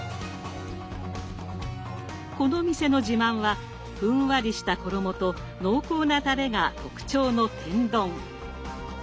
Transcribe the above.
このお店の自慢はふんわりした衣と濃厚なたれが特徴の天丼。